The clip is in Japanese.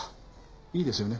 いいですよね？